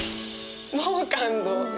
「もう感動」